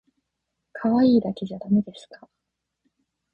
かわいいだけじゃだめですか